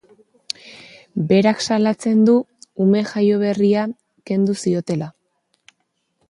Berak salatzen du ume jaio-berria kendu ziotela.